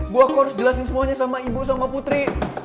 bu aku harus jelasin semuanya sama ibu sama putri